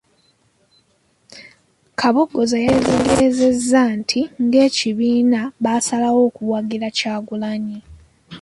Kaboggoza yategeezezza nti ng'ekibiina baasalawo okuwagira Kyagulanyi.